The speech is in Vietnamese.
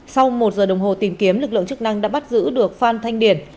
sau một giờ đồng hồ tìm kiếm lực lượng chức năng đã bắt giữ được phan thanh điền